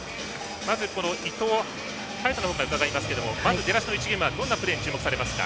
まず早田の方から伺いますが出だしの１ゲームどんなプレーに注目されますか？